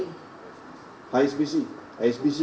bank asing di singapura dibiayai